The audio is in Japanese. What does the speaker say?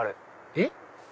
えっ？